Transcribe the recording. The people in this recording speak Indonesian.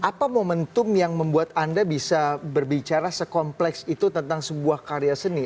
apa momentum yang membuat anda bisa berbicara sekompleks itu tentang sebuah karya seni